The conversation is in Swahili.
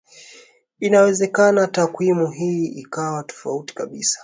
inawezekana takwimu hii ikawa tofauti kabisa